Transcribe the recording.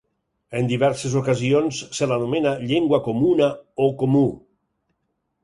En diverses ocasions se l'anomena Llengua Comuna o Comú.